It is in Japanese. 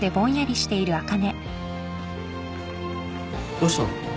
どうしたの？